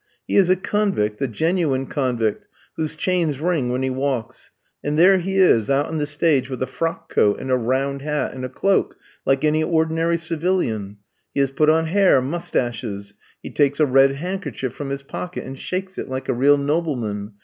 He is a convict, a genuine convict, whose chains ring when he walks; and there he is, out on the stage with a frock coat, and a round hat, and a cloak, like any ordinary civilian. He has put on hair, moustaches. He takes a red handkerchief from his pocket and shakes it, like a real nobleman.